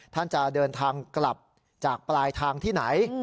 ท่านจะเดินทางกลับจากปลายทางที่ไหน